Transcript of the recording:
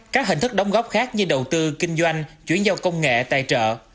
các hình thức đóng góp khác như đầu tư kinh doanh chuyển giao công nghệ tài trợ